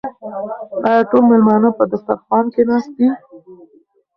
آیا ټول مېلمانه په دسترخوان کې ناست دي؟